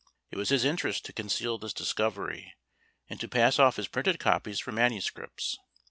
It was his interest to conceal this discovery, and to pass off his printed copies for MSS.